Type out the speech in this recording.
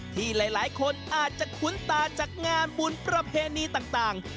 ที่หลายคนอาจจะคุ้นตาจากงานบุญประเพณีต่าง